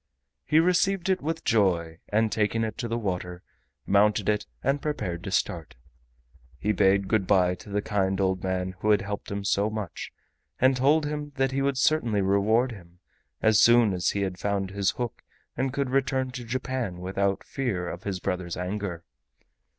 He received it with joy, and taking it to the water, mounted it, and prepared to start. He bade good by to the kind old man who had helped him so much, and told him that he would certainly reward him as soon as he found his hook and could return to Japan without fear of his brother's anger.